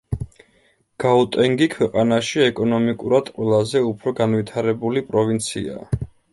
გაუტენგი ქვეყანაში ეკონომიკურად ყველაზე უფრო განვითარებული პროვინციაა.